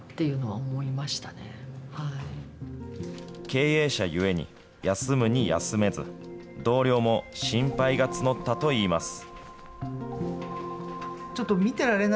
経営者ゆえに、休むに休めず、同僚も心配が募ったといいます。